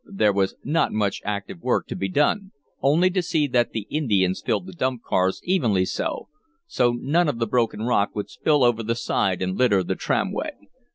There was not much active work to be done, only to see that the Indians filled the dump cars evenly full, so none of the broken rock would spill over the side and litter the tramway.